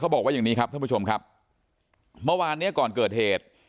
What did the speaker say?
บอกว่าอย่างนี้ครับท่านผู้ชมครับเมื่อวานเนี้ยก่อนเกิดเหตุ